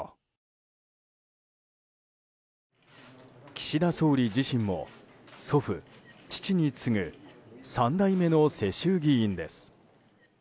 岸田総理自身も祖父、父に次ぐ３代目の世襲議員です。